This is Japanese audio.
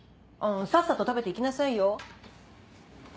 さっさと食べて行きなさいよ。